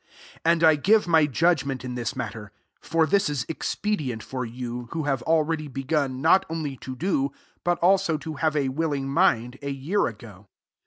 10 And I give my judg ment in this matter; for this is expedient for you, who have already begun, not only to do, but also to have a willing mind, a year ago.